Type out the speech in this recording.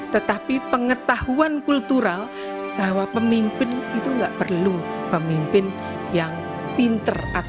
tetapi pengetahuan kultural bahwa pemimpin itu tidak perlu pemimpin yang pinter